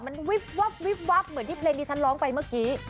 มันวิบวับวิบวับเหมือนที่เพลงที่ฉันร้องไปเมื่อกี้